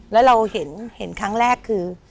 แล้วเราเห็นครั้งแรกคือ